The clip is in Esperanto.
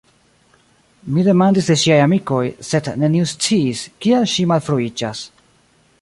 Mi demandis de ŝiaj amikoj, sed neniu sciis, kial ŝi malfruiĝas.